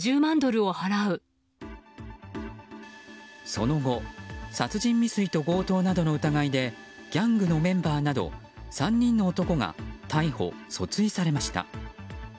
その後、殺人未遂と強盗などの疑いでギャングのメンバーなど３人の男が逮捕・訴追されました。